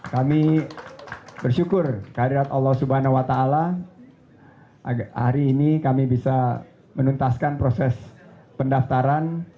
kami bersyukur kehadirat allah swt hari ini kami bisa menuntaskan proses pendaftaran